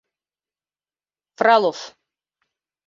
Фролов: